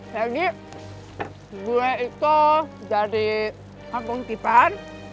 jadi gue itu dari kampung kipan